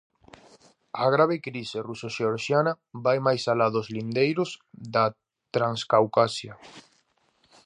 A grave crise ruso-xeorxiana vai máis alá dos lindeiros da Transcaucasia.